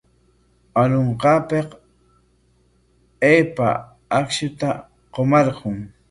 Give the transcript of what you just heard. Arunqaapik aypa akshuta qumarqun.